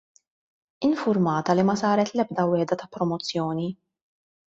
Infurmata li ma saret l-ebda wiegħda ta' promozzjoni.